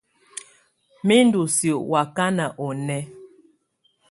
Mɛ ndɔ́ siǝ́ ɔ ákana ɔ nɛ̀á.